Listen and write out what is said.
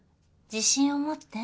自信を持って。